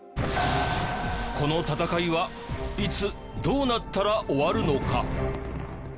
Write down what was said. この戦いはいつ、どうなったら終わるのか？